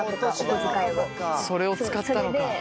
それを使ったのか。